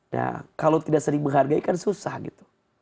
nah kalau tidak sering menghargai kan susah gitu